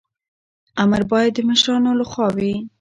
امر باید د مشرانو لخوا وي.